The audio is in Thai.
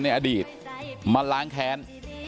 ในอดีตมาล้างแค้น